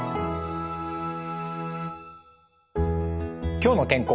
「きょうの健康」